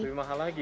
lebih mahal lagi